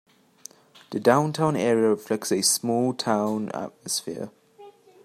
The downtown area reflects a small-town atmosphere.